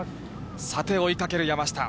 さて、追いかける山下。